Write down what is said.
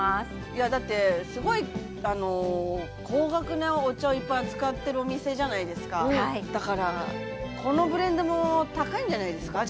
いやだってすごいあの高額なお茶をいっぱい扱ってるお店じゃないですかはいだからこのブレンドも高いんじゃないですか？